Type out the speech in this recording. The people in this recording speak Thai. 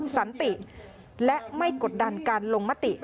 สันติและไม่กดดันการลงมติ